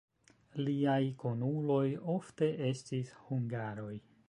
Liaj kunuloj ofte estis hungaroj.